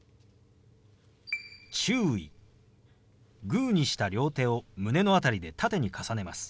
グーにした両手を胸の辺りで縦に重ねます。